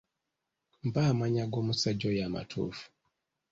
Mpa amannya g'omusajja oyo amatuufu.